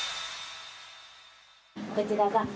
こちらが。